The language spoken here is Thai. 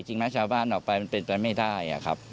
จริงไหมชาวบ้านออกไปมันเป็นไปไม่ได้ครับ